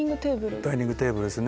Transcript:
ダイニングテーブルですね。